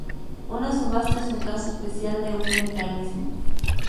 Una subasta es un caso especial de un mecanismo.